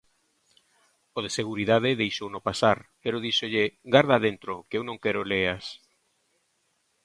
O de seguridade deixouno pasar pero díxolle: "gárdaa dentro, que eu non quero leas".